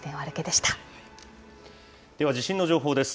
では、地震の情報です。